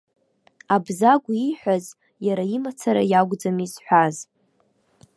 Абзагә ииҳәаз, иара имацара иакәӡам изҳәаз.